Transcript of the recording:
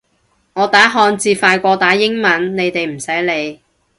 我打漢字快過打英文，你哋唔使理